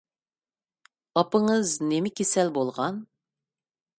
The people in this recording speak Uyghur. ئاپىڭىز نېمە كېسەل بولغان؟